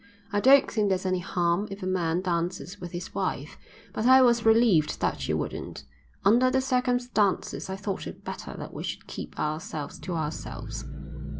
I don't think there's any real harm if a man dances with his wife, but I was relieved that she wouldn't. Under the circumstances I thought it better that we should keep ourselves to ourselves."